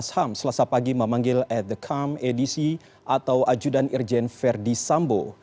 nasham selasa pagi memanggil at the calm edisi atau ajudan irjen verdi sambo